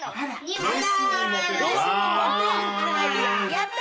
やった！